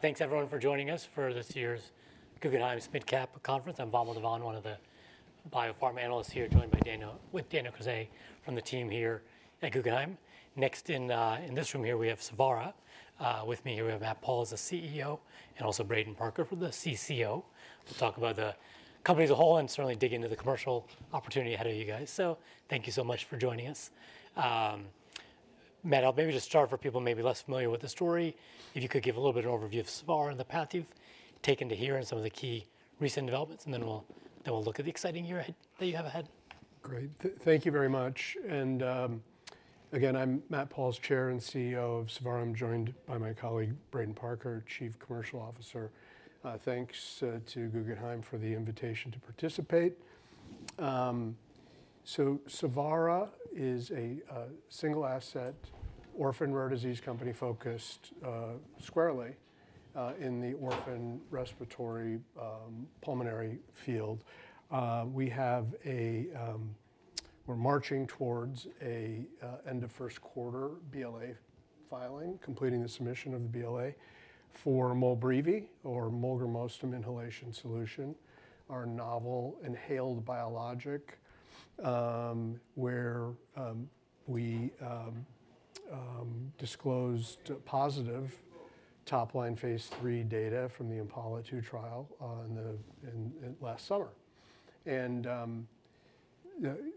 Thanks, everyone, for joining us for this year's Guggenheim's Midcap Conference. I'm Vamil Divan, one of the biopharma analysts here, joined by Dana, Dana Cazes, from the team here at Guggenheim. Next in this room here, we have Savara with me here. We have Matt Pauls, the CEO, and also Braden Parker for the CCO. We'll talk about the company as a whole and certainly dig into the commercial opportunity ahead of you guys, so thank you so much for joining us. Matt, I'll maybe just start for people maybe less familiar with the story. If you could give a little bit of an overview of Savara and the path you've taken to here and some of the key recent developments, and then we'll look at the exciting year ahead that you have ahead. Great. Thank you very much. And again, I'm Matt Pauls, Chair and CEO of Savara, and I'm joined by my colleague, Braden Parker, Chief Commercial Officer. Thanks to Guggenheim for the invitation to participate. So Savara is a single-asset orphan rare disease company focused squarely in the orphan respiratory pulmonary field. We're marching towards an end-of-first-quarter BLA filing, completing the submission of the BLA for Molbrevi, or molgramostim inhalation solution, our novel inhaled biologic where we disclosed positive top-line phase three data from the IMPALA-2 trial last summer. And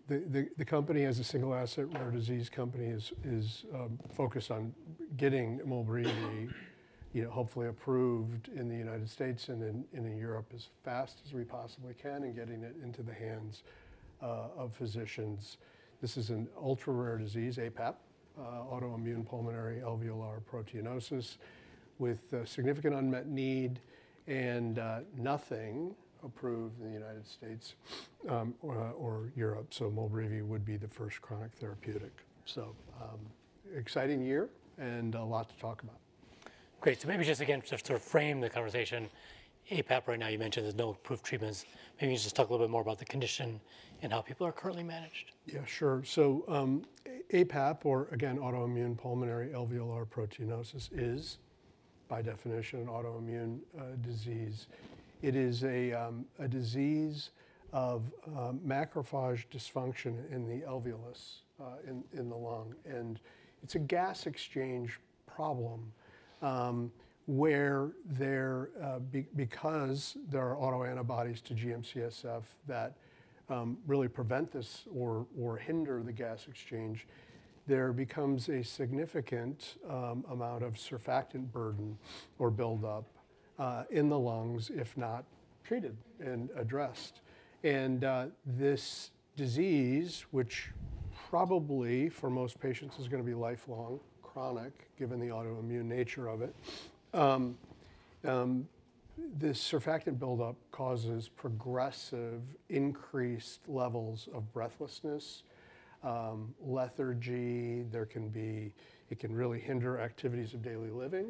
the company, as a single-asset rare disease company, is focused on getting Molbrevi hopefully approved in the United States and in Europe as fast as we possibly can and getting it into the hands of physicians. This is an ultra-rare disease, APAP, autoimmune pulmonary alveolar proteinosis, with significant unmet need and nothing approved in the United States or Europe. So Molbrevi would be the first chronic therapeutic. So exciting year and a lot to talk about. Great. So maybe just, again, to sort of frame the conversation, APAP right now, you mentioned there's no approved treatments. Maybe you can just talk a little bit more about the condition and how people are currently managed. Yeah, sure. So APAP, or again, autoimmune pulmonary alveolar proteinosis, is by definition an autoimmune disease. It is a disease of macrophage dysfunction in the alveolus in the lung. And it's a gas exchange problem where because there are autoantibodies to GM-CSF that really prevent this or hinder the gas exchange, there becomes a significant amount of surfactant burden or buildup in the lungs if not treated and addressed. And this disease, which probably for most patients is going to be lifelong, chronic, given the autoimmune nature of it, this surfactant buildup causes progressive increased levels of breathlessness, lethargy. It can really hinder activities of daily living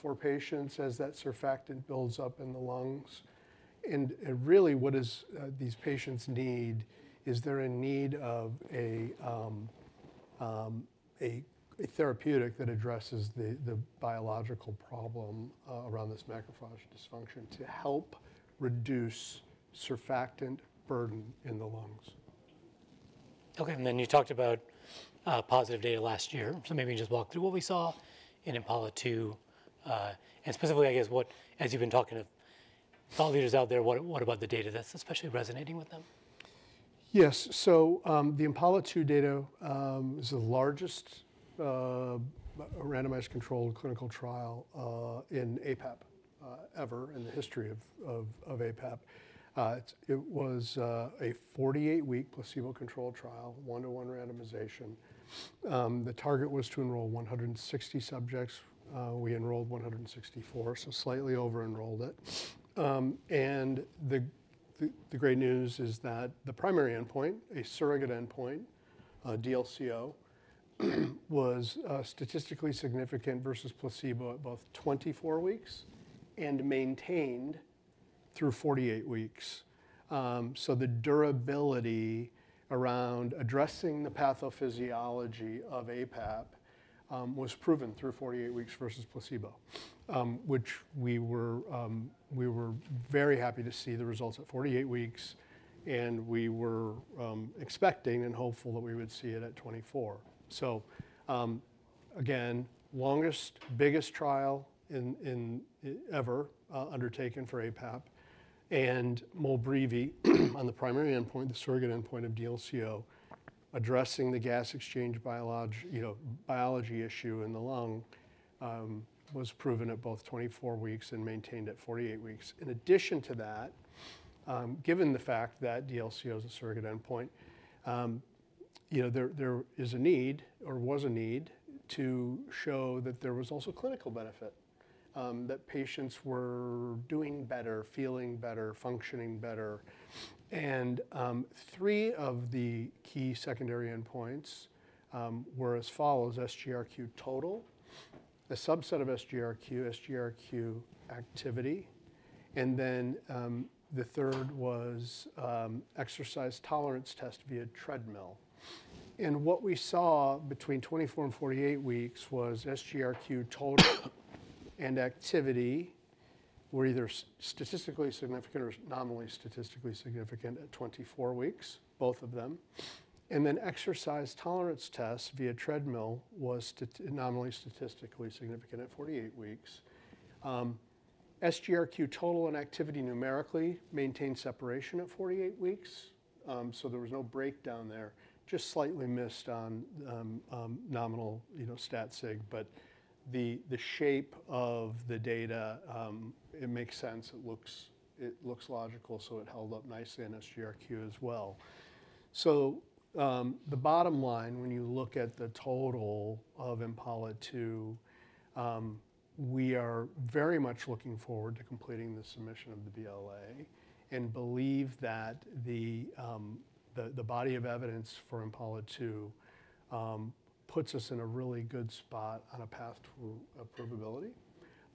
for patients as that surfactant builds up in the lungs. And really, what these patients need is they're in need of a therapeutic that addresses the biological problem around this macrophage dysfunction to help reduce surfactant burden in the lungs. OK. And then you talked about positive data last year. So maybe you can just walk through what we saw in IMPALA-2. And specifically, I guess, as you've been talking to thought leaders out there, what about the data that's especially resonating with them? Yes. So the IMPALA-2 data is the largest randomized controlled clinical trial in APAP ever in the history of APAP. It was a 48-week placebo-controlled trial, one-to-one randomization. The target was to enroll 160 subjects. We enrolled 164, so slightly over-enrolled it. And the great news is that the primary endpoint, a surrogate endpoint, DLCO, was statistically significant versus placebo at both 24 weeks and maintained through 48 weeks. So the durability around addressing the pathophysiology of APAP was proven through 48 weeks versus placebo, which we were very happy to see the results at 48 weeks. And we were expecting and hopeful that we would see it at 24. So again, longest, biggest trial ever undertaken for APAP. And Molbrevi on the primary endpoint, the surrogate endpoint of DLCO, addressing the gas exchange biology issue in the lung was proven at both 24 weeks and maintained at 48 weeks. In addition to that, given the fact that DLCO is a surrogate endpoint, there is a need or was a need to show that there was also clinical benefit, that patients were doing better, feeling better, functioning better. And three of the key secondary endpoints were as follows: SGRQ total, a subset of SGRQ, SGRQ activity, and then the third was exercise tolerance test via treadmill. And what we saw between 24 and 48 weeks was SGRQ total and activity were either statistically significant or nominally statistically significant at 24 weeks, both of them. And then exercise tolerance test via treadmill was nominally statistically significant at 48 weeks. SGRQ total and activity numerically maintained separation at 48 weeks. So there was no breakdown there, just slightly missed on nominal stat sig. But the shape of the data, it makes sense. It looks logical. It held up nicely on SGRQ as well. The bottom line, when you look at the total of IMPALA-2, we are very much looking forward to completing the submission of the BLA and believe that the body of evidence for IMPALA-2 puts us in a really good spot on a path to approvability.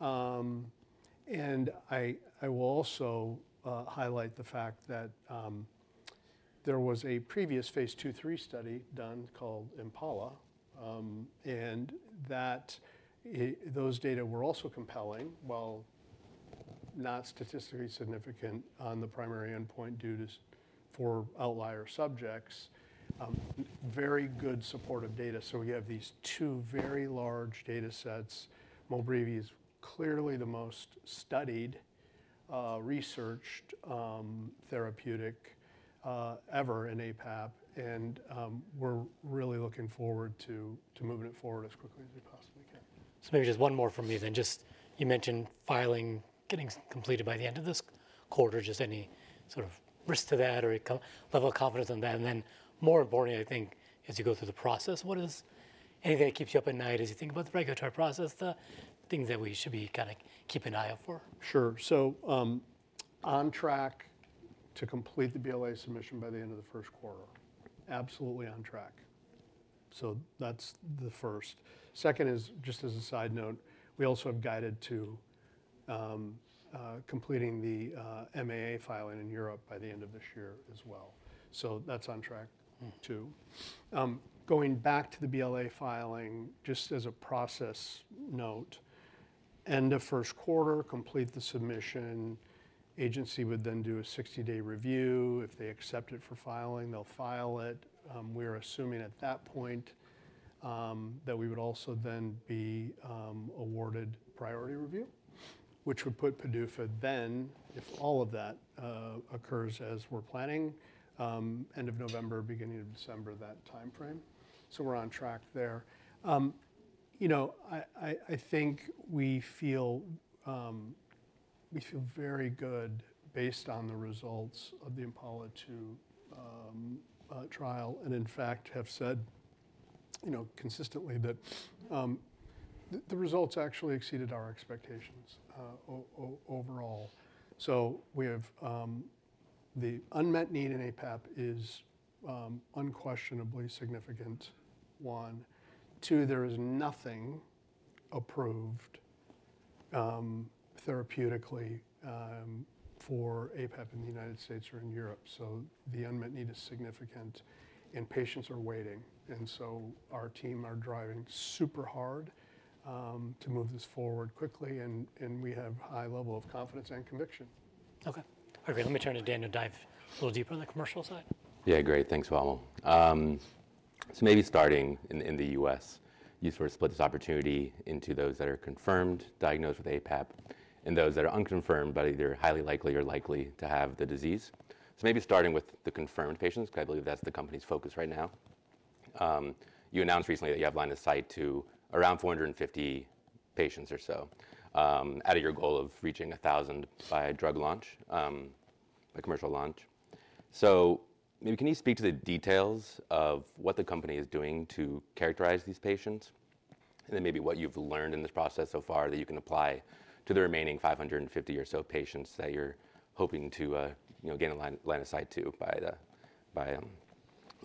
I will also highlight the fact that there was a previous phase 2/3 study done called IMPALA, and that those data were also compelling, while not statistically significant on the primary endpoint due to four outlier subjects. Very good supportive data. We have these two very large data sets. Molbrevi is clearly the most studied, researched therapeutic ever in APAP. We're really looking forward to moving it forward as quickly as we possibly can. So maybe just one more from you then. Just you mentioned filing getting completed by the end of this quarter. Just any sort of risk to that or level of confidence on that? And then more importantly, I think, as you go through the process, what is anything that keeps you up at night as you think about the regulatory process, the things that we should be kind of keeping an eye out for? Sure. So on track to complete the BLA submission by the end of the first quarter. Absolutely on track. So that's the first. Second is, just as a side note, we also have guided to completing the MAA filing in Europe by the end of this year as well. So that's on track too. Going back to the BLA filing, just as a process note, end of first quarter, complete the submission. Agency would then do a 60-day review. If they accept it for filing, they'll file it. We are assuming at that point that we would also then be awarded priority review, which would put PDUFA then, if all of that occurs as we're planning, end of November, beginning of December, that time frame. So we're on track there. I think we feel very good based on the results of the IMPALA-2 trial and, in fact, have said consistently that the results actually exceeded our expectations overall, so the unmet need in APAP is unquestionably significant. One, two, there is nothing approved therapeutically for APAP in the United States or in Europe, so the unmet need is significant, and patients are waiting, and so our team are driving super hard to move this forward quickly, and we have a high level of confidence and conviction. OK. All right. Let me turn to Dana to dive a little deeper on the commercial side. Yeah, great. Thanks Vamil, so maybe starting in the U.S., you sort of split this opportunity into those that are confirmed, diagnosed with APAP, and those that are unconfirmed, but either highly likely or likely to have the disease. So maybe starting with the confirmed patients, because I believe that's the company's focus right now. You announced recently that you have line of sight to around 450 patients or so out of your goal of reaching 1,000 by a drug launch, by commercial launch. So maybe can you speak to the details of what the company is doing to characterize these patients? And then maybe what you've learned in this process so far that you can apply to the remaining 550 or so patients that you're hoping to get a line of sight to by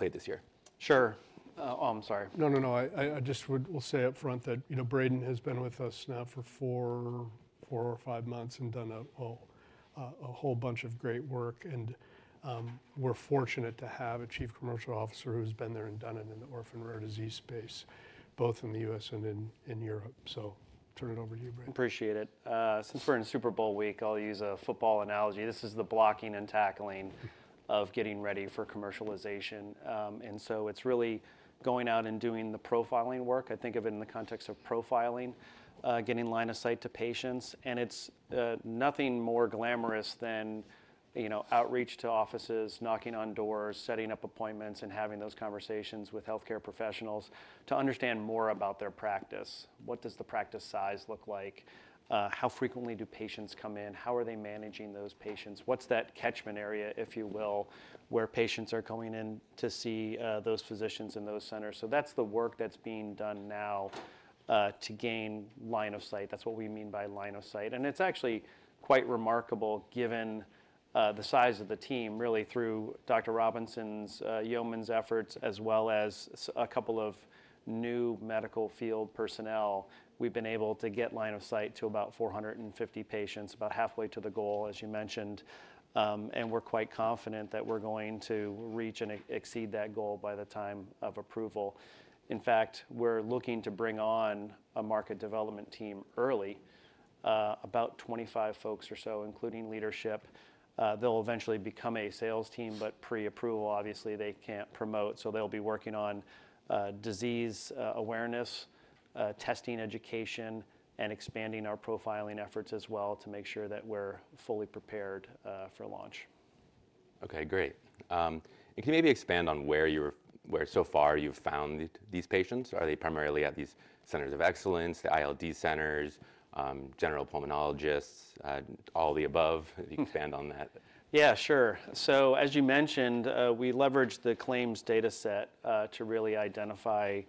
late this year. Sure. Oh, I'm sorry. No, no, no. I just will say up front that Braden has been with us now for four or five months and done a whole bunch of great work. And we're fortunate to have a Chief Commercial Officer who's been there and done it in the orphan rare disease space, both in the U.S. and in Europe. So turn it over to you, Braden. Appreciate it. Since we're in Super Bowl week, I'll use a football analogy. This is the blocking and tackling of getting ready for commercialization, and so it's really going out and doing the profiling work. I think of it in the context of profiling, getting line of sight to patients, and it's nothing more glamorous than outreach to offices, knocking on doors, setting up appointments, and having those conversations with health care professionals to understand more about their practice. What does the practice size look like? How frequently do patients come in? How are they managing those patients? What's that catchment area, if you will, where patients are coming in to see those physicians in those centers, so that's the work that's being done now to gain line of sight. That's what we mean by line of sight. It's actually quite remarkable, given the size of the team, really, through Dr. Robinson's yeoman's efforts, as well as a couple of new medical field personnel. We've been able to get line of sight to about 450 patients, about halfway to the goal, as you mentioned. And we're quite confident that we're going to reach and exceed that goal by the time of approval. In fact, we're looking to bring on a market development team early, about 25 folks or so, including leadership. They'll eventually become a sales team. But pre-approval, obviously, they can't promote. So they'll be working on disease awareness, testing education, and expanding our profiling efforts as well to make sure that we're fully prepared for launch. OK, great, and can you maybe expand on where so far you've found these patients? Are they primarily at these centers of excellence, the ILD centers, general pulmonologists, all the above? Can you expand on that? Yeah, sure. So as you mentioned, we leveraged the claims data set to really identify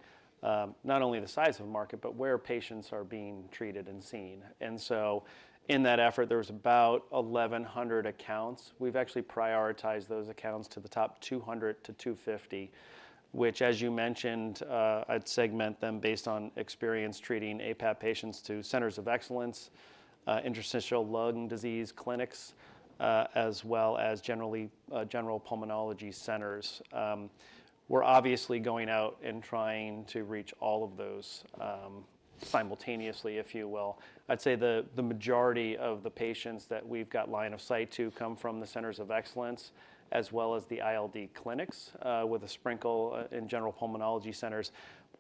not only the size of the market, but where patients are being treated and seen. And so in that effort, there was about 1,100 accounts. We've actually prioritized those accounts to the top 200-250, which, as you mentioned, I'd segment them based on experience treating APAP patients to centers of excellence, interstitial lung disease clinics, as well as general pulmonology centers. We're obviously going out and trying to reach all of those simultaneously, if you will. I'd say the majority of the patients that we've got line of sight to come from the centers of excellence, as well as the ILD clinics with a sprinkle in general pulmonology centers.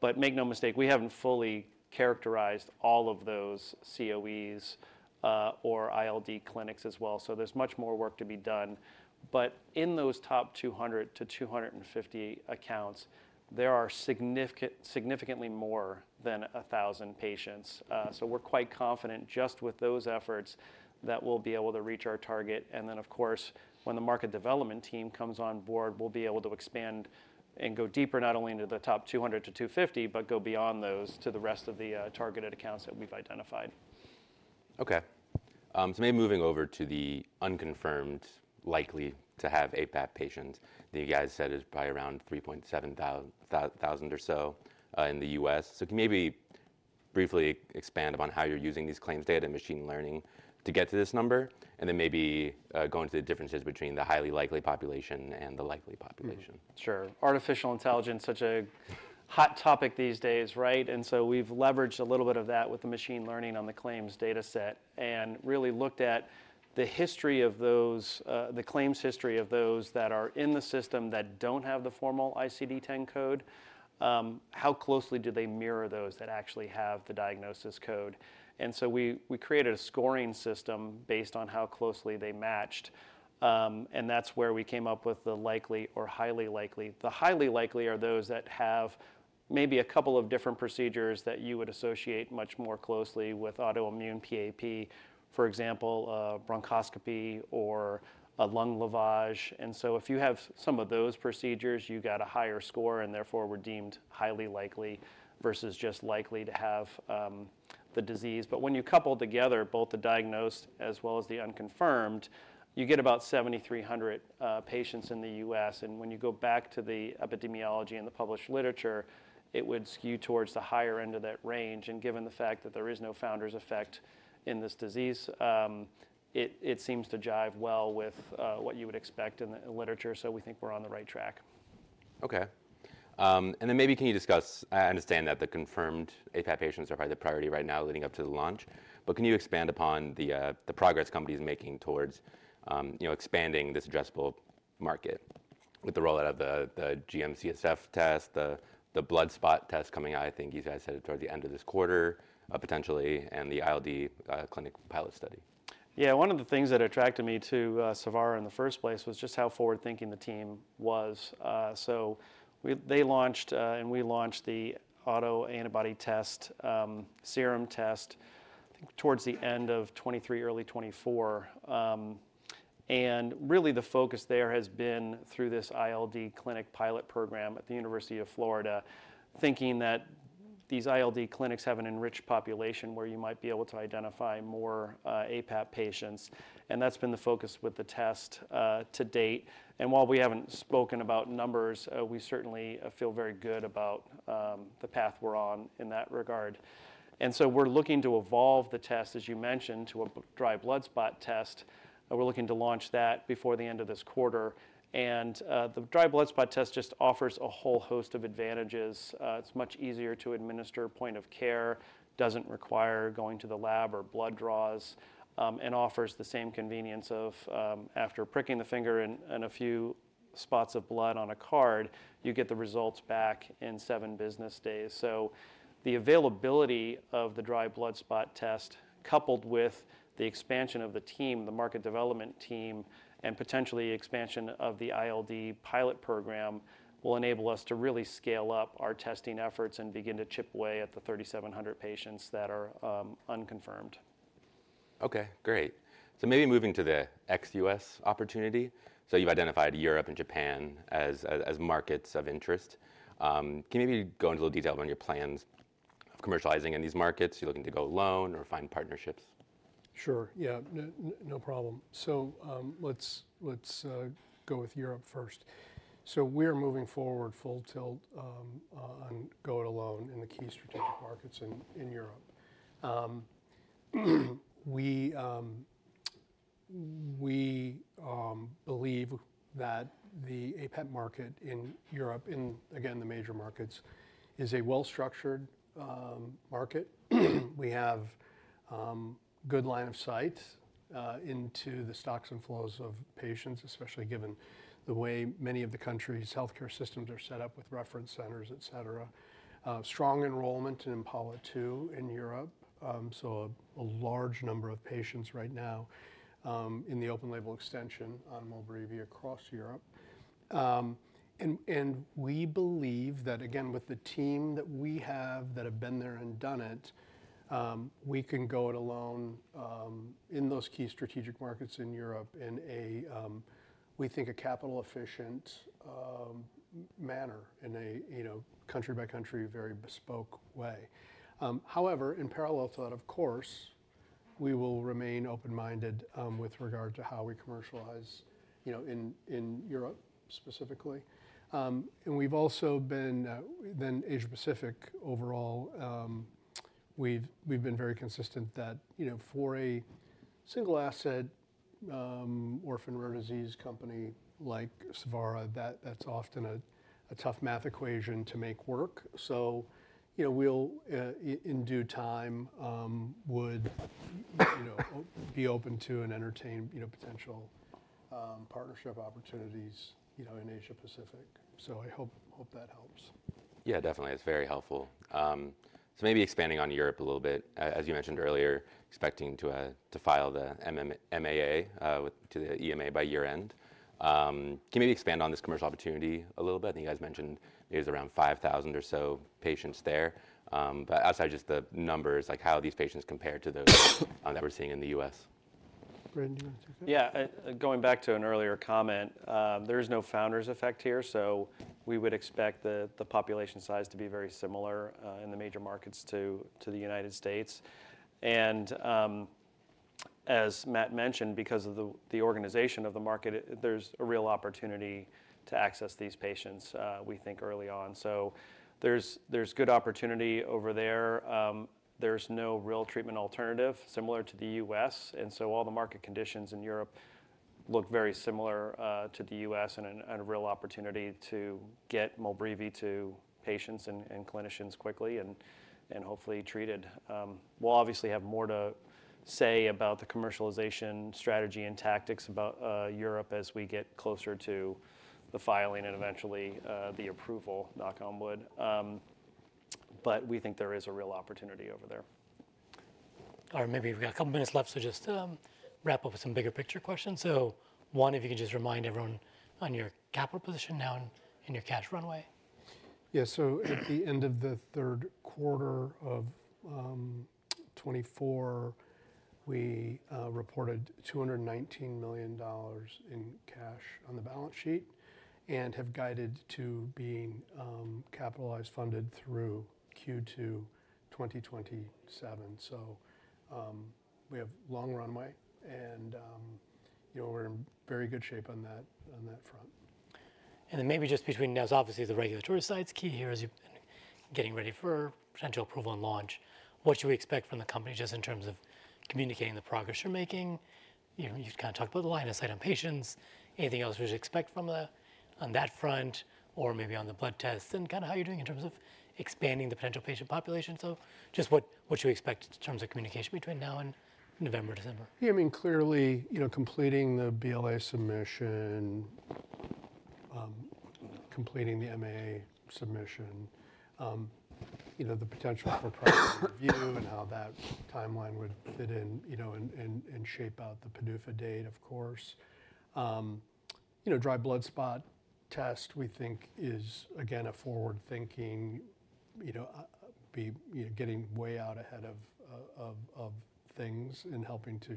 But make no mistake, we haven't fully characterized all of those COEs or ILD clinics as well. So there's much more work to be done. But in those top 200 to 250 accounts, there are significantly more than 1,000 patients. So we're quite confident just with those efforts that we'll be able to reach our target. And then, of course, when the market development team comes on board, we'll be able to expand and go deeper not only into the top 200 to 250, but go beyond those to the rest of the targeted accounts that we've identified. Okay, so maybe moving over to the unconfirmed likely to have APAP patients that you guys said is probably around 3.7 thousand or so in the U.S., so can you maybe briefly expand upon how you're using these claims data and machine learning to get to this number, and then maybe go into the differences between the highly likely population and the likely population? Sure. Artificial intelligence, such a hot topic these days, right? And so we've leveraged a little bit of that with the machine learning on the claims data set and really looked at the history of those, the claims history of those that are in the system that don't have the formal ICD-10 code. How closely do they mirror those that actually have the diagnosis code? And so we created a scoring system based on how closely they matched. And that's where we came up with the likely or highly likely. The highly likely are those that have maybe a couple of different procedures that you would associate much more closely with autoimmune PAP, for example, bronchoscopy or a lung lavage. And so if you have some of those procedures, you got a higher score and therefore were deemed highly likely versus just likely to have the disease. But when you couple together both the diagnosed as well as the unconfirmed, you get about 7,300 patients in the U.S. And when you go back to the epidemiology and the published literature, it would skew towards the higher end of that range. And given the fact that there is no founder's effect in this disease, it seems to jibe well with what you would expect in the literature. So we think we're on the right track. Okay. And then maybe can you discuss? I understand that the confirmed APAP patients are probably the priority right now leading up to the launch. But can you expand upon the progress companies are making towards expanding this addressable market with the rollout of the GM-CSF test, the blood spot test coming out, I think you guys said towards the end of this quarter potentially, and the ILD clinic pilot study? Yeah, one of the things that attracted me to Savara in the first place was just how forward-thinking the team was. So they launched, and we launched the autoantibody test, serum test, I think towards the end of 2023, early 2024. And really the focus there has been through this ILD clinic pilot program at the University of Florida, thinking that these ILD clinics have an enriched population where you might be able to identify more APAP patients. And that's been the focus with the test to date. And while we haven't spoken about numbers, we certainly feel very good about the path we're on in that regard. And so we're looking to evolve the test, as you mentioned, to a dried blood spot test. We're looking to launch that before the end of this quarter. And the dried blood spot test just offers a whole host of advantages. It's much easier to administer point of care, doesn't require going to the lab or blood draws, and offers the same convenience of, after pricking the finger and a few spots of blood on a card, you get the results back in seven business days. So the availability of the dried blood spot test, coupled with the expansion of the team, the market development team, and potentially expansion of the ILD pilot program, will enable us to really scale up our testing efforts and begin to chip away at the 3,700 patients that are unconfirmed. OK, great. So maybe moving to the ex-U.S. opportunity. So you've identified Europe and Japan as markets of interest. Can you maybe go into a little detail on your plans of commercializing in these markets? You're looking to go alone or find partnerships? Sure. Yeah, no problem. So let's go with Europe first. So we are moving forward full tilt on going alone in the key strategic markets in Europe. We believe that the APAP market in Europe, and again, the major markets, is a well-structured market. We have good line of sight into the stocks and flows of patients, especially given the way many of the countries' health care systems are set up with reference centers, et cetera. Strong enrollment in IMPALA-2 in Europe. So a large number of patients right now in the open label extension on Molbrevi across Europe. And we believe that, again, with the team that we have that have been there and done it, we can go it alone in those key strategic markets in Europe in a, we think, a capital-efficient manner in a country-by-country very bespoke way. However, in parallel to that, of course, we will remain open-minded with regard to how we commercialize in Europe specifically, and we've also been then Asia Pacific overall, we've been very consistent that for a single-asset orphan rare disease company like Savara, that's often a tough math equation to make work, so we'll, in due time, would be open to and entertain potential partnership opportunities in Asia Pacific, so I hope that helps. Yeah, definitely. That's very helpful. So maybe expanding on Europe a little bit. As you mentioned earlier, expecting to file the MAA to the EMA by year end. Can you maybe expand on this commercial opportunity a little bit? I think you guys mentioned it was around 5,000 or so patients there. But outside of just the numbers, like how these patients compare to those that we're seeing in the US? Braden, do you want to take that? Yeah, going back to an earlier comment, there is no founder's effect here. So we would expect the population size to be very similar in the major markets to the United States. And as Matt mentioned, because of the organization of the market, there's a real opportunity to access these patients, we think, early on. So there's good opportunity over there. There's no real treatment alternative similar to the US. And so all the market conditions in Europe look very similar to the US and a real opportunity to get Molbrevi to patients and clinicians quickly and hopefully treated. We'll obviously have more to say about the commercialization strategy and tactics about Europe as we get closer to the filing and eventually the approval, knock on wood. But we think there is a real opportunity over there. All right, maybe we've got a couple of minutes left. So just wrap up with some bigger picture questions. So one, if you could just remind everyone on your capital position now and your cash runway. Yeah, so at the end of the third quarter of 2024, we reported $219 million in cash on the balance sheet and have guided to being capitalized funded through Q2 2027. So we have a long runway. And we're in very good shape on that front. Then maybe just between now, obviously, the regulatory side's key here as you're getting ready for potential approval and launch. What should we expect from the company just in terms of communicating the progress you're making? You've kind of talked about the line of sight on patients. Anything else we should expect from that on that front or maybe on the blood tests and kind of how you're doing in terms of expanding the potential patient population? So just what should we expect in terms of communication between now and November, December? Yeah, I mean, clearly completing the BLA submission, completing the MAA submission, the potential for priority review and how that timeline would fit in and shape out the PDUFA date, of course. Dried blood spot test, we think, is again a forward-thinking, getting way out ahead of things and helping to,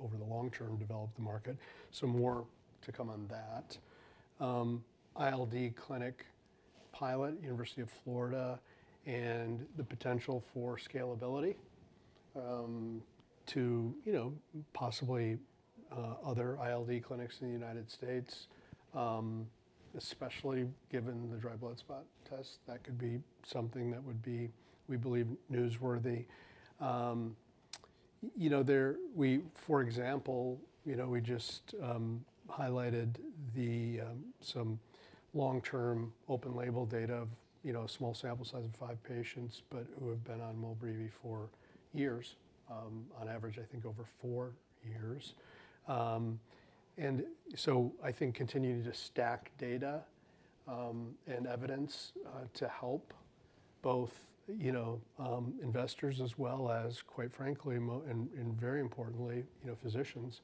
over the long term, develop the market. So more to come on that. ILD clinic pilot, University of Florida, and the potential for scalability to possibly other ILD clinics in the United States, especially given the dried blood spot test. That could be something that would be, we believe, newsworthy. For example, we just highlighted some long-term open label data of small sample size of five patients who have been on Molbrevi for years, on average, I think, over four years. I think continuing to stack data and evidence to help both investors as well as, quite frankly, and very importantly, physicians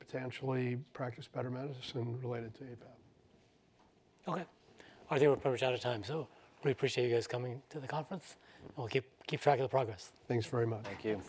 potentially practice better medicine related to APAP. OK. I think we're pretty much out of time, so I really appreciate you guys coming to the conference, and we'll keep track of the progress. Thanks very much. Thank you.